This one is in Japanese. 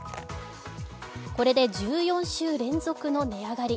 これで、１４週連続の値上がり